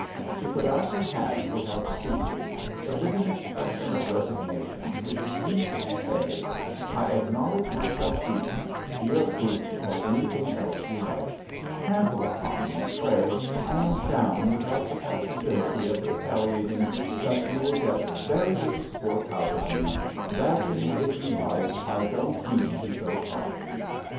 She put out her hand without speaking, but with an expression of resignation which seemed to say, "I acknowledge myself beaten; be a brute or anything else you like; trample upon me, pray I am down without the possibility of retaliating, but you will get very little sport out of me; badger me if you like, I don't mean to show fight."